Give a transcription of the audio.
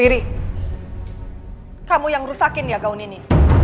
iri kamu yang rusakin ya gaun ini